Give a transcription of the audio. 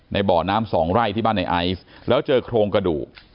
บ่อน้ำสองไร่ที่บ้านในไอซ์แล้วเจอโครงกระดูก